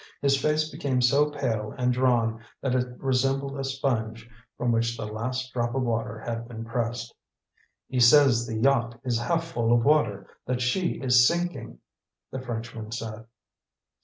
His face became so pale and drawn that it resembled a sponge from which the last drop of water had been pressed. "He says the yacht is half full of water that she is sinking," the Frenchman said.